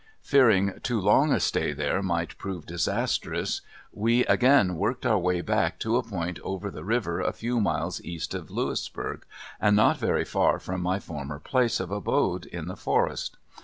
Fearing too long a stay there might prove disastrous, we again worked our way back to a point over the river a few miles east of Louisburg, and not very far from my former place of abode in the forest.